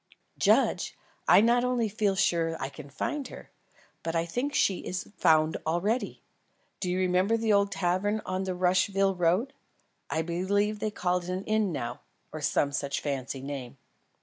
"Judge, I not only feel sure that I can find her, but I think she is found already. Do you remember the old tavern on the Rushville road? I believe they call it an inn now, or some such fancy name."